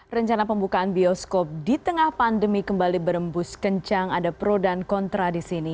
rencana pembukaan bioskop di tengah pandemi kembali berembus kencang ada pro dan kontra di sini